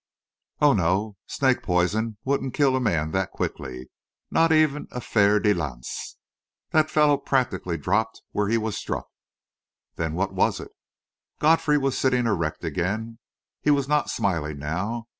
"Oh, no; snake poison wouldn't kill a man that quickly not even a fer de lance. That fellow practically dropped where he was struck." "Then what was it?" Godfrey was sitting erect again. He was not smiling now.